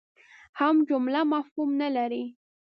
هم جمله مفهوم نه لري.